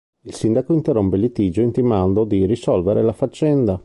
Il sindaco interrompe il litigio intimando di risolvere la faccenda.